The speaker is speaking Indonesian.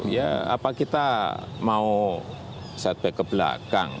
ya apa kita mau setback ke belakang